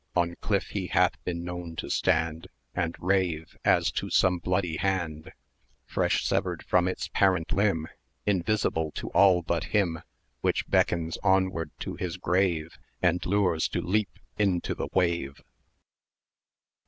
On cliff he hath been known to stand, And rave as to some bloody hand Fresh severed from its parent limb, Invisible to all but him, Which beckons onward to his grave, 830 And lures to leap into the wave."